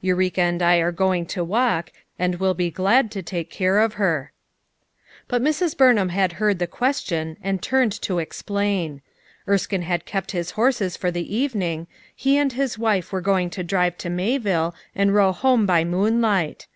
Eureka and I are going to walk, and will be glad to take care of her." But Mrs. Burnham had heard the question and turned to explain. Erskine had kept his horses for the evening; he and his wife were going to drive to Mayville and row home by moonlight.